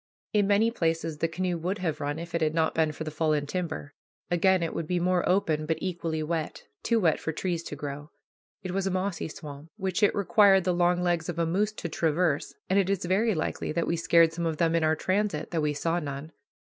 In many places the canoe would have run if it had not been for the fallen timber. Again it would be more open, but equally wet, too wet for trees to grow. It was a mossy swamp, which it required the long legs of a moose to traverse, and it is very likely that we scared some of them in our transit, though we saw none.